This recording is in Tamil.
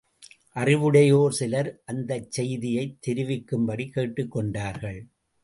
அறிவுடையோர் சிலர், அந்தச் செய்தியை தெரிவிக்கும்படி கேட்டுக் கொண்டார்கள்.